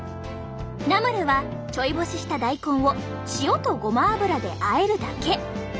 ナムルはちょい干しした大根を塩とごま油であえるだけ。